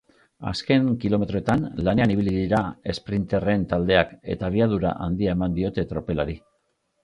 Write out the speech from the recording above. Azken kilometroetan lanean ibili dira esprinterren taldeak eta abiadura handia eman diote tropelari.